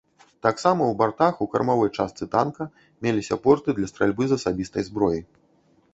Таксама ў бартах у кармавой частцы танка меліся порты для стральбы з асабістай зброі.